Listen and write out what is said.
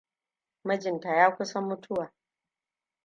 Mijinta ya kusa mutuwa.